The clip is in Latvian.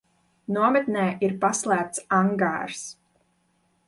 Nometnē ir paslēpts angārs.